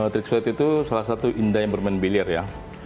trickshot itu salah satu indah yang bermain biliar ya